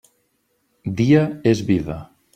Dia és vida.